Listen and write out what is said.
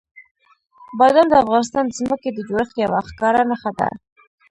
بادام د افغانستان د ځمکې د جوړښت یوه ښکاره نښه ده.